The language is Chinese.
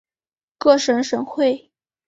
各省省会。